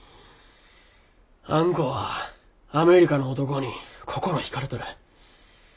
あんこはアメリカの男に心引かれとる。